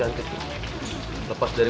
orang kayak gini tuh cuma jago nyari perhatian